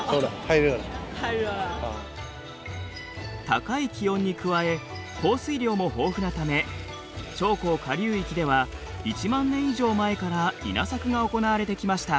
高い気温に加え降水量も豊富なため長江下流域では１万年以上前から稲作が行われてきました。